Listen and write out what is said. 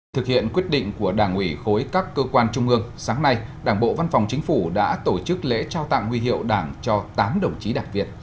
thực hiện quyết định của đảng ủy khối các cơ quan trung ương sáng nay đảng bộ văn phòng chính phủ đã tổ chức lễ trao tặng huy hiệu đảng cho tám đồng chí đặc việt